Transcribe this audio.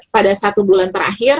pada satu bulan terakhir